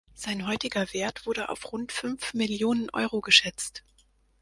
Sein heutiger Wert wurde auf rund fünf Millionen Euro geschätzt.